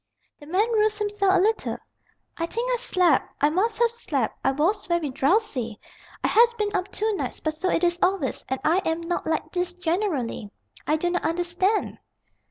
The man roused himself a little. "I think I slept. I must have slept. I was very drowsy. I had been up two nights; but so it is always, and I am not like this generally. I do not understand."